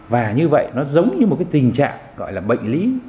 và như vậy nó giống như một cái tình trạng gọi là bệnh lý